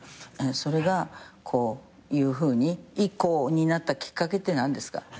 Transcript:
それがこういうふうにＩＫＫＯになったきっかけって何ですか？